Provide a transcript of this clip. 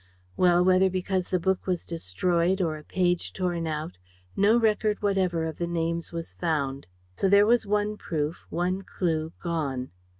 Well, whether because the book was destroyed or a page torn out, no record whatever of the names was found. So there was one proof, one clue gone.